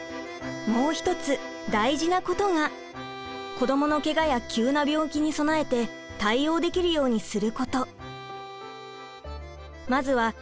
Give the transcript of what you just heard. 子どものケガや急な病気に備えて対応できるようにすること。